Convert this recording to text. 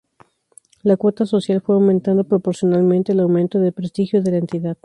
La cuota social fue aumentando proporcionalmente al aumento de prestigio de la entidad.